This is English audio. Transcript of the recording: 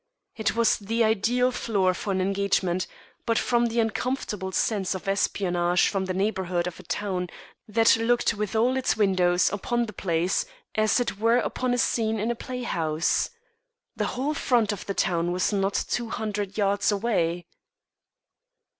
It was the ideal floor for an engagement, but from the uncomfortable sense of espionage from the neighbourhood of a town that looked with all its windows upon the place as it were upon a scene in a play house. The whole front of the town was not two hundred yards away.